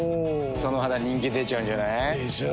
その肌人気出ちゃうんじゃない？でしょう。